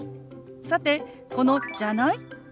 さてこの「じゃない？」。